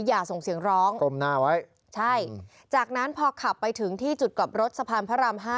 อย่าส่งเสียงร้องก้มหน้าไว้ใช่จากนั้นพอขับไปถึงที่จุดกลับรถสะพานพระราม๕